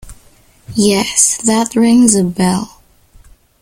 Yes, that rings a bell.